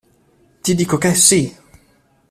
Ti dico che è sì!